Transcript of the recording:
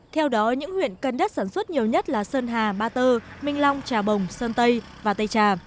theo đó những huyện cần đất sản xuất nhiều nhất là sơn hà ba tơ minh long trà bồng sơn tây và tây trà